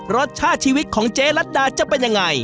รสชาติชีวิตของเจ๊รัฐดาจะเป็นยังไง